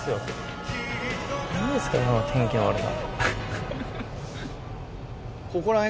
何ですかこの天気の悪さ。